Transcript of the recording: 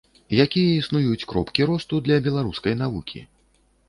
Якія існуюць кропкі росту для беларускай навукі?